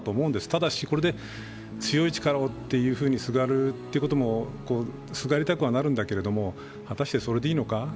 ただし、これで強い力をというふうにすがりたくはなるんだけれど果たしてそれでいいのか。